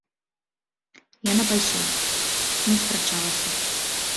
Яна пайшла, не спрачалася.